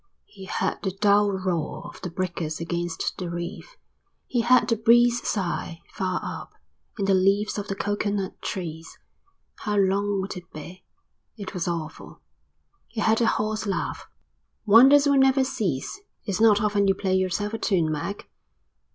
He heard the dull roar of the breakers against the reef. He heard the breeze sigh, far up, in the leaves of the coconut trees. How long would it be? It was awful. He heard a hoarse laugh. "Wonders will never cease. It's not often you play yourself a tune, Mac."